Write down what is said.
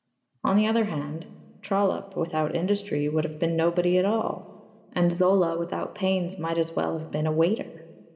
On the other hand, Trollope without industry would have been nobody at all, and Zola without pains might as well have been a waiter.